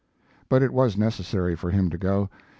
But it was necessary for him to go.